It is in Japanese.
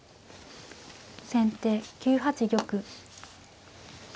先手９八玉。